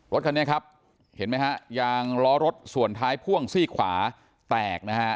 รถคันนี้ครับเห็นไหมฮะยางล้อรถส่วนท้ายพ่วงซี่ขวาแตกนะฮะ